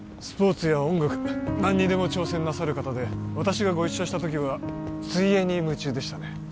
スポーツや音楽何にでも挑戦なさる方で私がご一緒した時は水泳に夢中でしたね